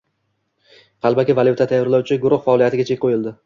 Qalbaki valyuta tayyorlovchi guruh faoliyatiga chek qo‘yildi